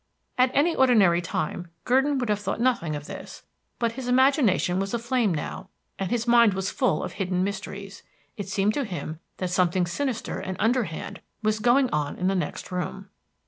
At any ordinary time Gurdon would have thought nothing of this, but his imagination was aflame now, and his mind was full of hidden mysteries. It seemed to him that something sinister and underhand was going on in the next room.